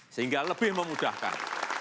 sehingga lebih memudahkan